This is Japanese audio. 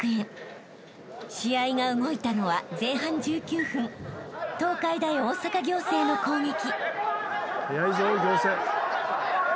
［試合が動いたのは前半１９分東海大大阪仰星の攻撃］